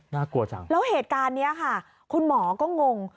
น่ากลัวจังแล้วเหตุการณ์นี้ค่ะคุณหมอก็งง